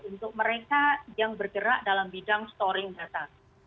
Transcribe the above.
untuk mereka yang bergerak dalam bidang storing data